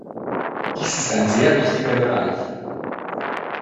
Dies ist ein sehr wichtiger Bereich.